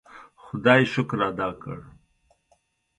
خدای شکر ادا کړ.